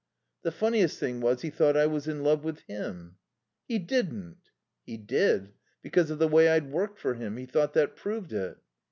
"The funniest thing was he thought I was in love with him." "He didn't!" "He did. Because of the way I'd worked for him. He thought that proved it."